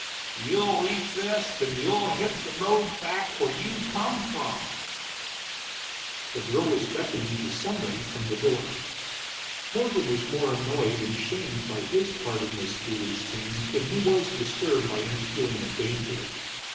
"You'll eat this, then you'll hit the road back where you come from!" The girl was beckoning to somebody from the door. Morgan was more annoyed and shamed by his part in this foolish scene than he was disturbed by any feeling of danger.